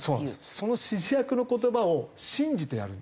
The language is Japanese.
その指示役の言葉を信じてやるんですよ。